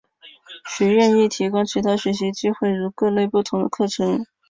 学院亦提供其他学习机会如各类不同之课程。